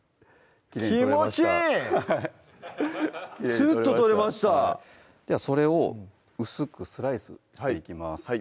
はいスーッと取れましたではそれを薄くスライスしていきます